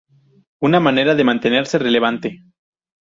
Una manera de mantenerse relevante".